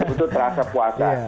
itu terasa puasa